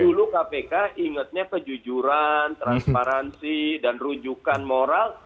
dulu kpk ingetnya kejujuran transparansi dan rujukan moral